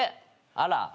あら。